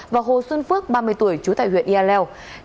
và hồ xuân phước ba mươi tuổi chú tại huyện yalell